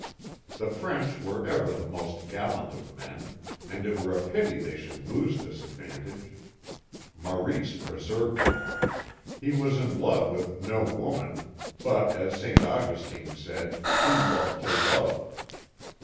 The French were ever the most gallant of men, and it were a pity they should lose this advantage. Maurice preserved it. He was in love with no woman, but, as St. Augustine said, he loved to love.